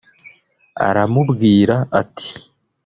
Aramubwira ati